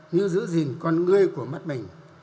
như giữ gìn con người của mắt mình